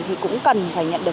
thì cũng cần phải nhận được